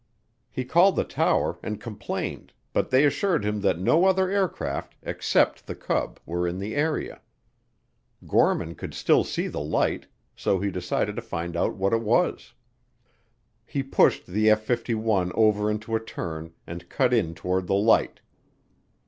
He called the tower and complained but they assured him that no other aircraft except the Cub were in the area. Gorman could still see the light so he decided to find out what it was. He pushed the F 51 over into a turn and cut in toward the light.